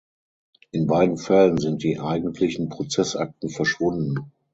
In beiden Fällen sind die eigentlichen Prozessakten verschwunden.